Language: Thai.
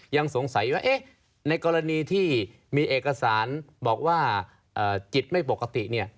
ยังสงสัยว่าในกรณีที่มีเอกสารบอกว่าจิตไม่ปกติ